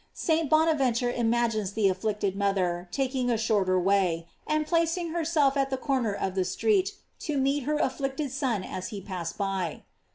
"| St. Bonaventure imagines the afflicted mother taking a shorter way, and placing herself at the corner of the street to meet her afflicted Son as he passed by.